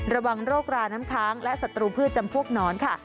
ระวังโรคราน้ำค้างและศัตรูพืชจำพวกหนอนค่ะ